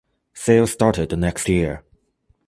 Sales started the next year.